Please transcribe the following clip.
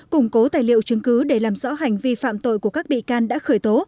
củng cố tài liệu chứng cứ để làm rõ hành vi phạm tội của các bị can đã khởi tố